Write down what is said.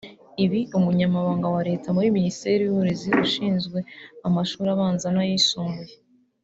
Ibi umunyamabanga wa Leta muri Minisiteri y’Uburezi ushinzwe amashuri abanza n’ayisumbuye